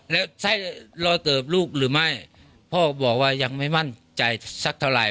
แล้วไส้รอเติบลูกหรือไม่พ่อบอกว่ายังไม่มั่นใจสักเท่าไหร่